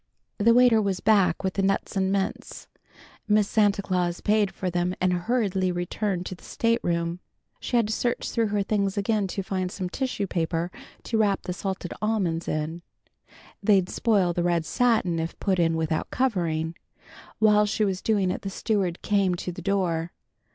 The waiter was back with the nuts and mints. Miss Santa Claus paid for them, and hurriedly returned to the state room. She had to search through her things again to find some tissue paper to wrap the salted almonds in. They'd spoil the red satin if put in without covering. While she was doing it the steward came to the door.